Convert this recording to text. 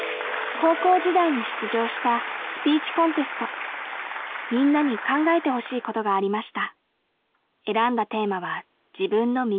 高校時代に出場したスピーチコンテストみんなに考えてほしいことがありました